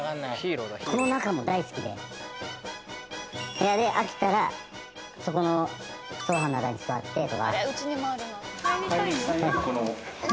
部屋で飽きたらそこのソファの中に座ってとか。